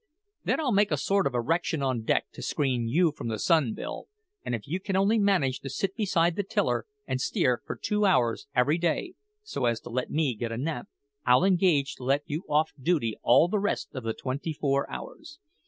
Then I'll make a sort of erection on deck to screen you from the sun, Bill; and if you can only manage to sit beside the tiller and steer for two hours every day, so as to let me get a nap, I'll engage to let you off duty all the rest of the twenty four hours.